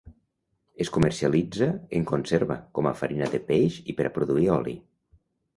Es comercialitza en conserva, com a farina de peix i per a produir oli.